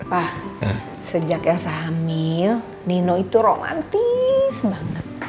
pa sejak elsa hamil nino itu romantis banget